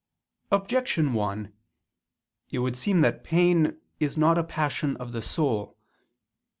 Objection 1: It would seem that pain is not a passion of the soul.